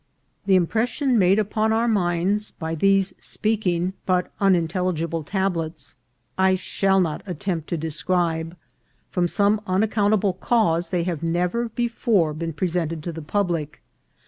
The impression made upon our minds by these speak ing but unintelligible tablets I shall not attempt to de scribe. From some unaccountable cause they have never before been presented to the public.